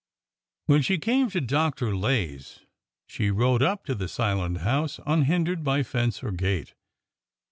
When she came to Dr. Lay's, she rode up to the silent house unhindered by fence or gate.